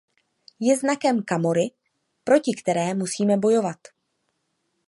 Je znakem Camorry, proti které musíme bojovat.